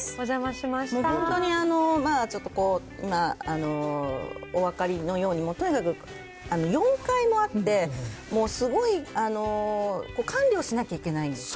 本当に、ちょっとお分かりのように、もうとにかく４階もあって、もうすごい、管理をしなきゃいけないんですよ。